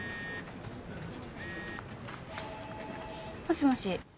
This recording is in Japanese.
もしもし。